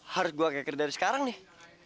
harus gue keker dari sekarang nih